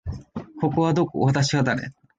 ここはどこ？私は誰？